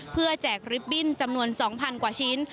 เพื่อแจกริบบิ้นจำนวน๒๐๐กว่าชิ้น